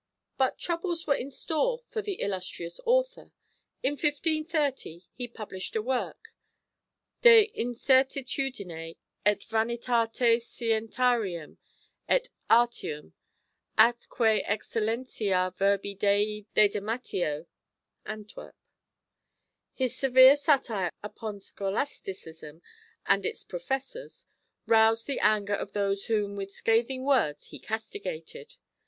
But troubles were in store for the illustrious author. In 1530 he published a work, De Incertitudine et Vanitate Scientiarum et Artium, atque Excellentiâ Verbi Dei Dedamatio (Antwerp). His severe satire upon scholasticism and its professors roused the anger of those whom with scathing words he castigated.